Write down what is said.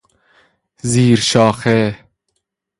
زیر شاخه